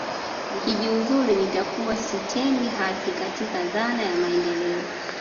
Nikijiuzulu nitakuwa sitendi haki katika dhana ya maendeleo